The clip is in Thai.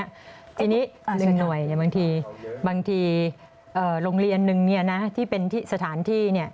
ทีนี้๑หน่วยบางทีโรงเรียนหนึ่งที่เป็นสถานที่